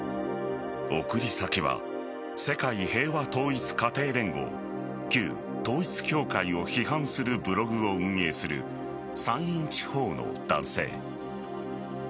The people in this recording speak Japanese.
送り先は世界平和統一家庭連合＝旧統一教会を批判するブログを運営する山陰地方の男性。